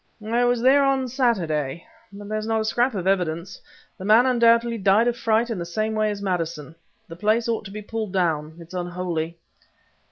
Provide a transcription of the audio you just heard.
"I was there on Saturday, but there's not a scrap of evidence. The man undoubtedly died of fright in the same way as Maddison. The place ought to be pulled down; it's unholy."